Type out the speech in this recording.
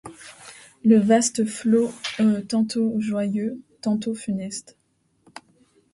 Le vaste flot, tantôt joyeux, tantôt funeste